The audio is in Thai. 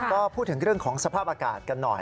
ก็พูดถึงเรื่องของสภาพอากาศกันหน่อย